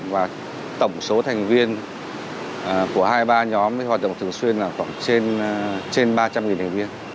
và tổng số thành viên của hai mươi ba nhóm hoạt động thường xuyên là khoảng trên ba trăm linh thành viên